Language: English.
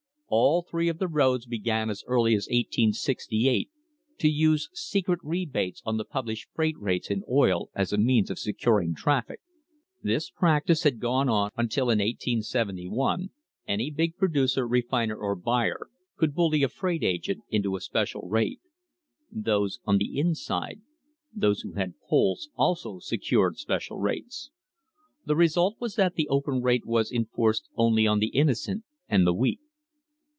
All three of the THE HISTORY OF THE STANDARD OIL COMPANY roads began as early as 1868 to use secret rebates on the published freight rates in oil as a means of securing traffic. This practice had gone on until in 1871 any big producer, refiner, or buyer could bully a freight agent into a special rate. Those "on the inside," those who had "pulls," also secured special rates. The result was that the open rate was enforced only on the innocent and the weak.